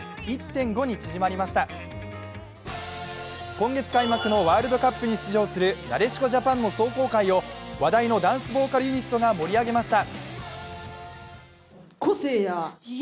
今月開幕のワールドカップに出場するなでしこジャパンの壮行会を話題のダンスボーカルユニットが盛り上げました。